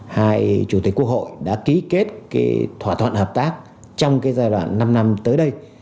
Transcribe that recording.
hai chủ tịch quốc hội đã ký kết thỏa thuận hợp tác trong giai đoạn năm năm tới đây